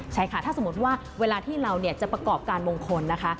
ใช่ค่ะถ้าสมมุติว่าเวลาที่เราจะประกอบการมงคลนะคะ